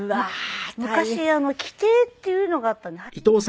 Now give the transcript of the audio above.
昔規定っていうのがあったんで。